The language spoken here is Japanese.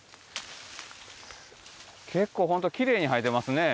結構ほんときれいに生えてますね。